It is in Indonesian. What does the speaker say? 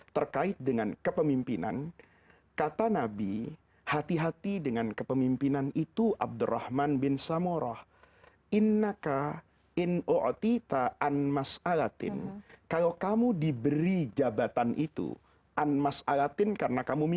tidak bisa tidur